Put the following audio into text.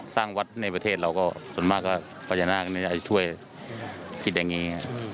สร้างวัดในประเทศเราก็ส่วนมากก็พญานาคจะช่วยคิดอย่างนี้